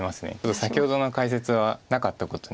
先ほどの解説はなかったことに。